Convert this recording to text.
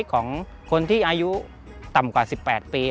ของคนที่อายุต่ำกว่า๑๘ปี